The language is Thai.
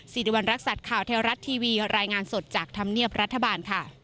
สิริวัณรักษัตริย์ข่าวเทวรัฐทีวีรายงานสดจากธรรมเนียบรัฐบาลค่ะ